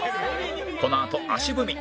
このあと足踏み